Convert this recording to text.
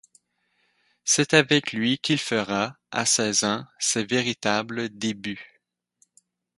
C’est avec lui qu’il fera, à seize ans ses véritables débuts.